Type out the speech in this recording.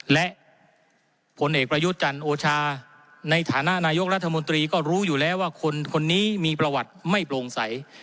และผลเอกประยุทธ์จันทร์โอชาในฐานะนายกรัฐมนตรีก็รู้อยู่แล้วว่าคนนี้มีประวัติไม่โปร่งใส